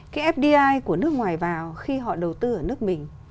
cái fdi của nước ngoài vào khi họ đầu tư ở nước mình